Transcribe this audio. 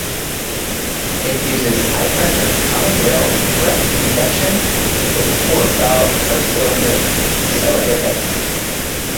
It uses high-pressure common-rail direct injection with four valve per cylinder, cylinder heads.